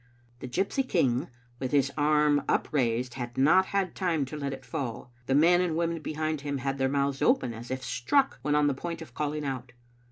The gypsy king, with his arm up raised, had not had time to let it fall. The men and women behind him had their mouths open, as if struck when on the point of calling out.